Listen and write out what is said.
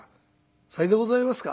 「さようでございますか。